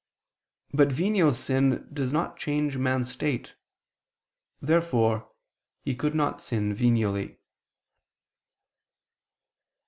But venial sin does not change man's state. Therefore he could not sin venially.